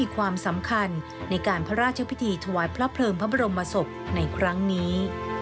ความสำคัญในการพระราชพิธีถวายพระเพลิงพระบรมศพในครั้งนี้